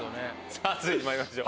さぁ続いてまいりましょう。